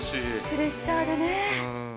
プレッシャーでね。